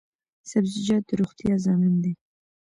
سبزیجات د روغتیا ضامن دي